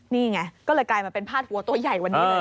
นี่ไงก็เลยกลายมาเป็นพาดหัวตัวใหญ่วันนี้เลย